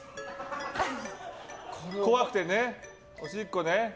怖くてね、おしっこね。